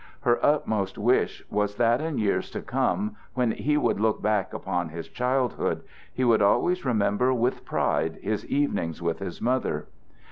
Her utmost wish was that in years to come, when he should look back upon his childhood, he would always remember with pride his evenings with his mother.